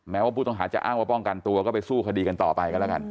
ว่าผู้ต้องหาจะอ้างว่าป้องกันตัวก็ไปสู้คดีกันต่อไปกันแล้วกัน